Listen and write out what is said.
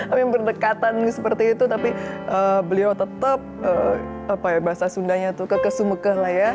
amin berdekatan seperti itu tapi beliau tetap apa ya bahasa sundanya itu kekesumukah lah ya